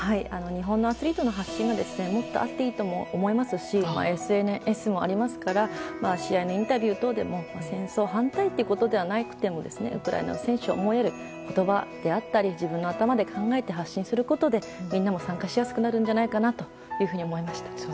日本のアスリートの発信ももっとあっていいと思いますしＳＮＳもありますから試合のインタビュー等でも戦争反対ということではなくてもウクライナの選手を思いやる言葉であったり自分の頭で考えて発信することでみんなも参加しやすくなるんじゃないかなと思いました。